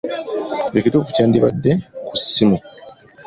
Ekituufu kyandibadde ‘ku ssimu.’